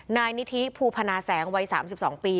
นายนิธิภูพนาแสงวัย๓๒ปี